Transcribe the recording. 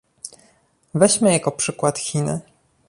Weźmy jako przykład Chiny